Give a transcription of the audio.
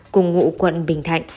cùng ngụ quận bình thạnh